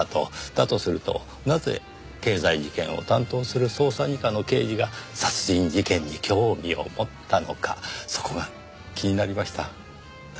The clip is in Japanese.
だとするとなぜ経済事件を担当する捜査二課の刑事が殺人事件に興味を持ったのかそこが気になりました。